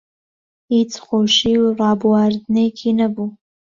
هیچ خۆشی و ڕابواردنێکی نەبوو